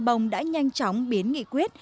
trà bồng đã nhanh chóng biến nghị quyết